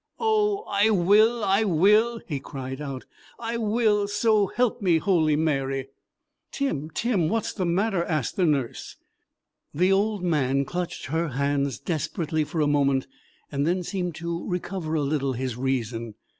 "Oh, I will, I will!" he cried out. "I will, so help me Holy Mary!" "Tim, Tim, what's the matter?" asked the nurse. The old man clutched her hands desperately for a moment, and then seemed to recover a little his reason.